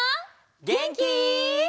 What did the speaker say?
げんき？